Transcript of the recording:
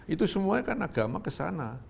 itu semuanya kan agama kesana